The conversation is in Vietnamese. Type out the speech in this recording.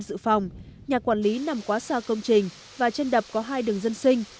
dự phòng nhà quản lý nằm quá xa công trình và trên đập có hai đường dân sinh